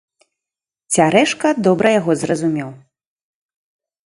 Цярэшка добра яго зразумеў.